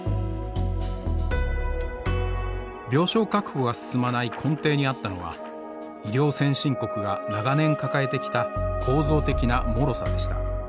病床確保が進まない根底にあったのは医療先進国が長年抱えてきた構造的なもろさでした。